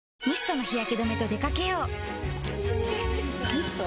ミスト？